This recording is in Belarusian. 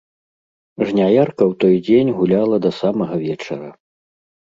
Жняярка ў той дзень гуляла да самага вечара.